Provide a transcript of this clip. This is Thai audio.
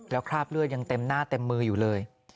แล้วคราบเลือดยังเต็มหน้าเต็มมืออยู่เลย